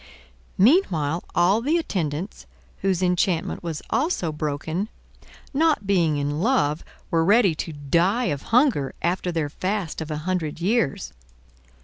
Meanwhile all the attendants, whose enchantment was also broken, not being in love, were ready to die of hunger after their fast of a hundred years.